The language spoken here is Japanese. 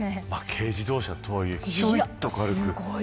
軽自動車とはいえひょいっと、軽く。